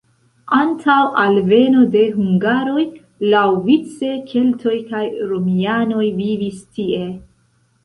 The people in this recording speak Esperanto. Antaŭ alveno de hungaroj laŭvice keltoj kaj romianoj vivis tie.